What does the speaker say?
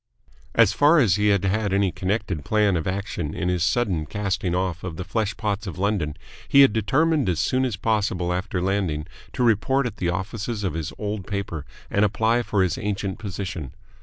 As far as he had had any connected plan of action in his sudden casting off of the flesh pots of London, he had determined as soon as possible after landing to report at the office of his old paper and apply for his ancient position.